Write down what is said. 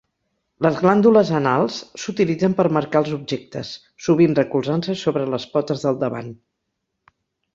Les glàndules anals s'utilitzen per marcar els objectes, sovint recolzant-se sobre les potes del davant.